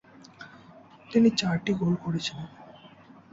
তিনি চারটি গোল করেছিলেন।